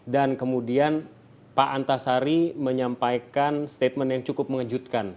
dan kemudian pak antasari menyampaikan statement yang cukup mengejutkan